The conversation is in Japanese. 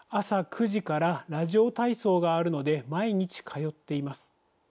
朝９時からラジオ体操があるので毎日通っています。